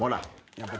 やっぱり。